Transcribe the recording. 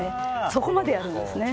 そこまでやるんですね。